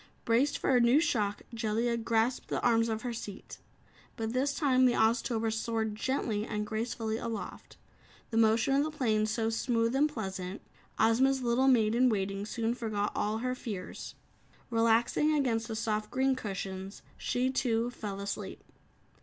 Braced for a new shock, Jellia grasped the arms of her seat. But this time the Oztober soared gently and gracefully aloft, the motion of the plane so smooth and pleasant, Ozma's little Maid in Waiting soon forgot all her fears. Relaxing against the soft green cushions, she, too, fell asleep.